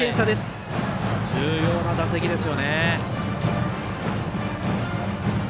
重要な打席ですよね。